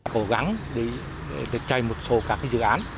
cố gắng để chạy một số các dự án